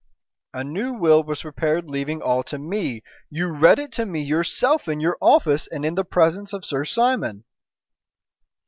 "A new will was prepared leaving all to me. You read it to me yourself in your office and in the presence of Sir Simon."